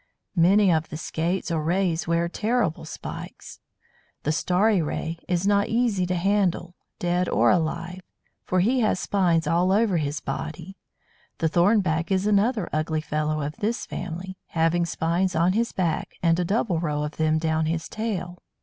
Many of the Skates or Rays wear terrible spikes. The Starry Ray (p. 52, No. 7) is not easy to handle, dead or alive, for he has spines all over his body. The Thornback is another ugly fellow of this family, having spines on his back and a double row of them down his tail.